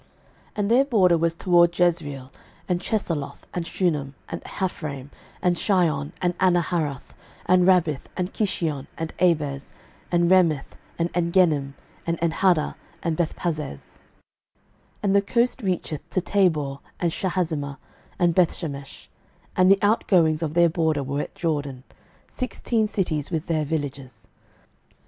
06:019:018 And their border was toward Jezreel, and Chesulloth, and Shunem, 06:019:019 And Haphraim, and Shihon, and Anaharath, 06:019:020 And Rabbith, and Kishion, and Abez, 06:019:021 And Remeth, and Engannim, and Enhaddah, and Bethpazzez; 06:019:022 And the coast reacheth to Tabor, and Shahazimah, and Bethshemesh; and the outgoings of their border were at Jordan: sixteen cities with their villages.